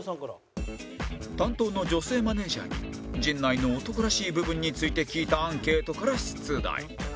担当の女性マネージャーに陣内の男らしい部分について聞いたアンケートから出題